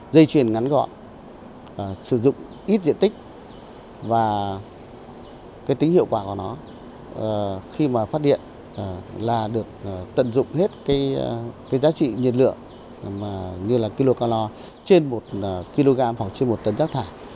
dây chuyển ngắn gọn sử dụng ít diện tích và tính hiệu quả của nó khi phát điện là được tận dụng hết giá trị nhiệt lượng như là kilocalor trên một kg hoặc trên một tấn rác thải